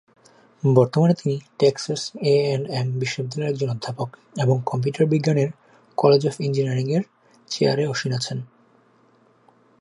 বর্তমানে তিনি Texas A and M বিশ্ববিদ্যালয়ের একজন অধ্যাপক এবং কম্পিউটার বিজ্ঞানের কলেজ অফ ইঞ্জিনিয়ারিং-এর চেয়ারে আসীন আছেন।